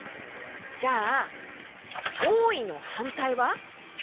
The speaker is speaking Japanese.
じゃあ「おおい」のはんたいは？